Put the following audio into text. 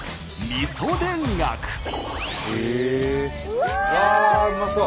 うわうまそう。